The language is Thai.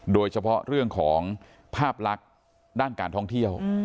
โดยเฉพาะเรื่องของภาพลักษณ์ด้านการท่องเที่ยว